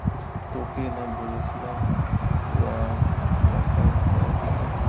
তোকে না বলেছিলাম ওয়াকারটা ঠিক করতে?